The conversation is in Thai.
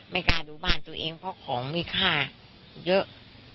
กล้าดูบ้านตัวเองเพราะของมีค่าเยอะ